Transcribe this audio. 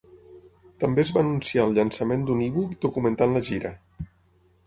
També es va anunciar el llançament d'un e-book documentant la gira.